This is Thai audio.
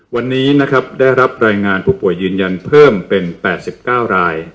วันนี้นะครับได้รับรายงานผู้ป่วยยืนยันเพิ่มเป็น๘๙ราย